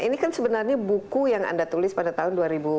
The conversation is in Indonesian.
ini kan sebenarnya buku yang anda tulis pada tahun dua ribu dua